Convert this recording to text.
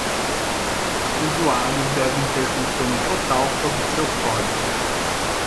Usuários devem ter controle total sobre seu código.